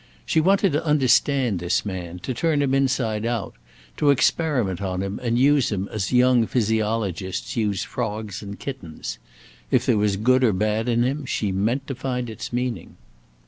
She wanted to understand this man; to turn him inside out; to experiment on him and use him as young physiologists use frogs and kittens. If there was good or bad in him, she meant to find its meaning.